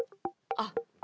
あっ。